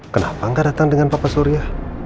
kenapa enggak datang dengan papa surya